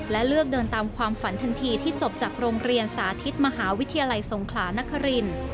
และเลือกเดินตามความฝันทันทีที่จบจากโรงเรียนสาธิตมหาวิทยาลัยสงขลานคริน